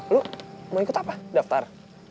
lu mau ikut apa daftar